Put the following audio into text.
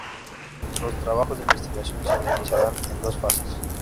Los trabajos de investigación se organizaron en dos fases.